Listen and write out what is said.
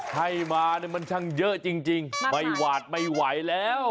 ให้มามันช่างเยอะจริงไม่หวาดไม่ไหวแล้ว